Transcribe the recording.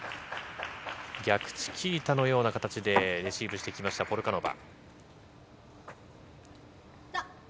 逆チキータのような形でレシーブしてきました、ポルカノバ。